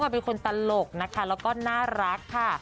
เป็นคนตลกนะคะแล้วก็น่ารักค่ะ